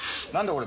これ。